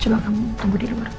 coba kamu tumbuh di luar